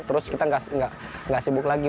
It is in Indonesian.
terus kita nggak sibuk lagi